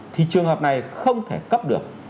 thì trường hợp này không thể cấp được